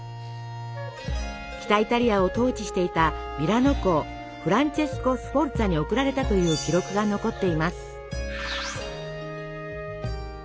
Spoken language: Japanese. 北イタリアを統治していたミラノ公フランチェスコ・スフォルツァに贈られたという記録が残っています。